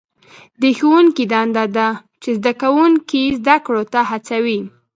د ښوونکي دنده ده چې زده کوونکي زده کړو ته هڅوي.